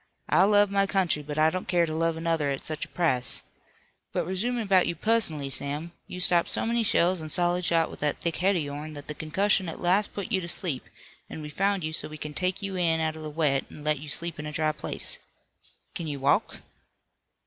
I love my country, but I don't care to love another at such a price. But resumin' 'bout you pussonally, Sam, you stopped so many shells an' solid shot with that thick head of yourn that the concussion at last put you to sleep, an' we've found you so we kin take you in out of the wet an' let you sleep in a dry place. Kin you walk?"